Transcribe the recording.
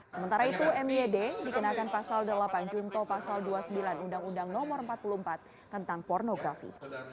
sementara itu myd dikenakan pasal delapan junto pasal dua puluh sembilan undang undang no empat puluh empat tentang pornografi